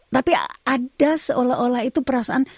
tapi ada seolah olah itu perasaan